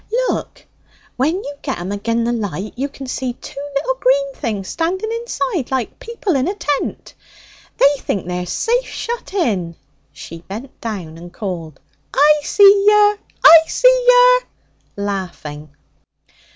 'Look! When you get 'un agen the light you can see two little green things standing inside like people in a tent. They think they're safe shut in!' She bent down and called: 'I see yer! I see yer!' laughing.